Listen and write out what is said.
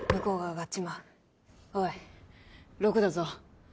おい６だぞ。